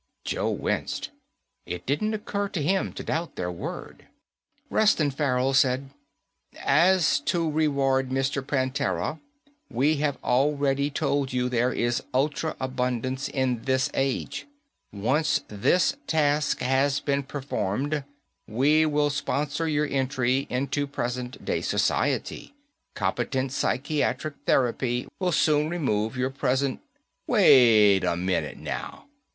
Joe winced. It didn't occur to him to doubt their word. Reston Farrell said, "As to reward, Mr. Prantera, we have already told you there is ultra abundance in this age. Once this task has been performed, we will sponsor your entry into present day society. Competent psychiatric therapy will soon remove your present " "Waita minute, now.